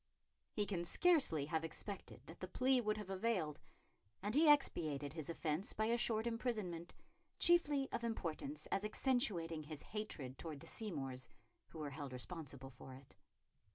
He can scarcely have expected that the plea would have availed, and he expiated his offence by a short imprisonment, chiefly of importance as accentuating his hatred towards the Seymours, who were held responsible for it.